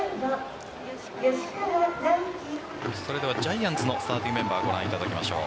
それではジャイアンツのスターティングメンバーご覧いただきましょう。